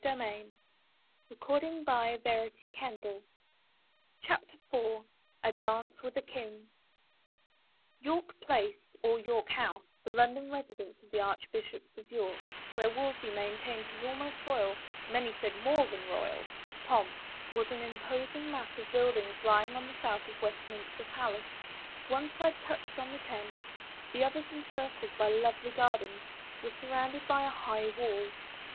The next week saw Anne Bole3m again at court. CHAPTER IV A DANCE WITH A KING V~u^ORK PLACE, or York House, the London £^ 1 residence of the Archbishops of York, where ^^y Wolsey maintained his ahnost royal — many said more than royal — pomp, was an imposing mass of buildings lying to the south of Westminster palace; one side touched on the Thames, the others, encircled by lovely gardens, were surrounded by a high wall.